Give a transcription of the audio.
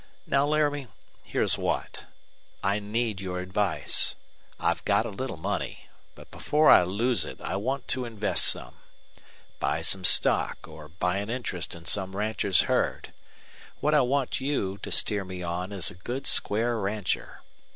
Now, Laramie, here's what. I need your advice. I've got a little money. But before I lose it I want to invest some. Buy some stock, or buy an interest in some rancher's herd. What I want you to steer me on is a good square rancher.